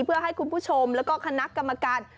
เพื่อให้คุณผู้ชมแล้วก็คณะกรรมการ